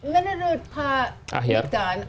menurut pak gitan